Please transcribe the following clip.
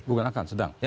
bukan akan sedang